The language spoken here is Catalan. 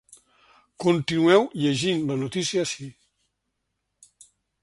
Continueu llegint la notícia ací.